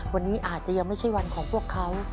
วันนี้อาจจะยังไม่ใช่วันของพวกเขา